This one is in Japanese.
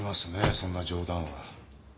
そんな冗談は。